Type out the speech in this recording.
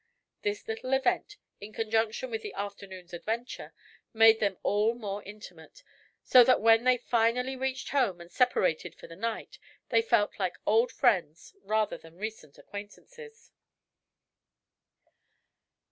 This little event, in conjunction with the afternoon's adventure, made them all more intimate, so that when they finally reached home and separated for the night they felt like old friends rather than recent acquaintances.